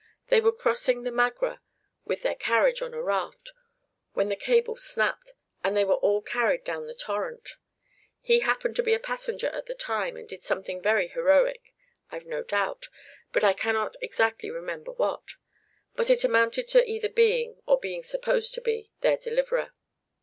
They were crossing the Magra with their carriage on a raft, when the cable snapped, and they were all carried down the torrent. He happened to be a passenger at the time, and did something very heroic, I 've no doubt, but I cannot exactly remember what; but it amounted to either being, or being supposed to be, their deliverer.